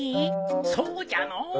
そうじゃのう。